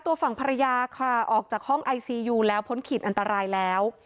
ตัวฝั่งภรรยาค่ะออกจากห้องไอซียูแล้ว